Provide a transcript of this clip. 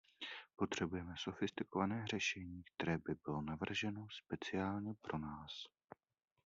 Potřebujeme sofistikované řešení, které by bylo navrženo speciálně pro nás.